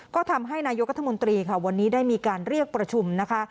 ก็ทำให้นายกรัฐมนตรีค่ะวันนี้ได้มีการเรียกประชุมนะคะ